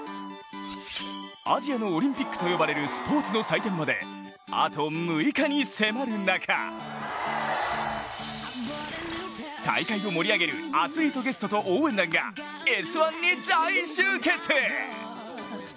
アジアのオリンピックと呼ばれるスポーツの祭典まであと６日に迫る中大会を盛り上げるアスリートゲストと応援団が「Ｓ☆１」に大集結。